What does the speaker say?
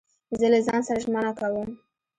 زه له ځان سره ژمنه کوم.